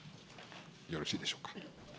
よろしいでしょうか。